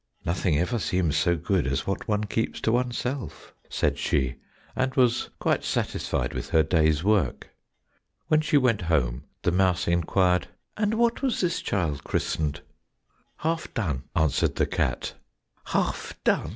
"Nothing ever seems so good as what one keeps to oneself," said she, and was quite satisfied with her day's work. When she went home the mouse inquired, "And what was this child christened?" "Half done," answered the cat. "Half done!